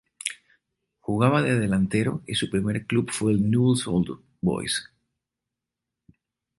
Jugaba de delantero y su primer club fue Newell's Old Boys.